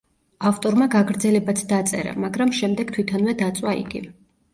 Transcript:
ავტორმა გაგრძელებაც დაწერა, მაგრამ შემდეგ თვითონვე დაწვა იგი.